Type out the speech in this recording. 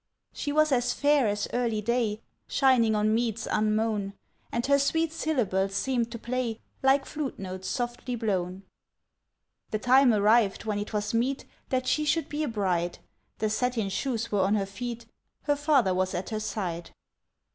She was as fair as early day Shining on meads unmown, And her sweet syllables seemed to play Like flute notes softly blown. The time arrived when it was meet That she should be a bride; The satin shoes were on her feet, Her father was at her side.